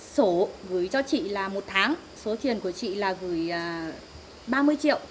sổ gửi cho chị là một tháng số tiền của chị là gửi ba mươi triệu